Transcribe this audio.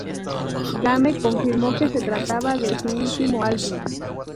Game confirmó que se trataba de su último álbum.